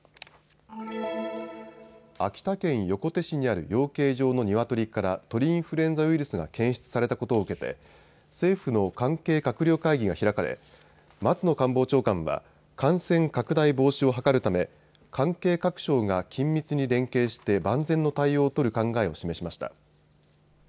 秋田県横手市にある養鶏場のニワトリから鳥インフルエンザウイルスが検出されたことを受けて政府の関係閣僚会議が開かれ松野官房長官は感染拡大防止を図るため関係各省が緊密に連携して万全の対応を取る考えを示しました。